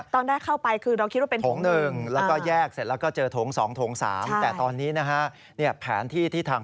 ตอนแรกเข้าไปคือเราคิดว่าเป็นถง๑